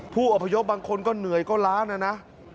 ผู้อพยพบางคนก็เหนื่อยก็ล้านนะนะ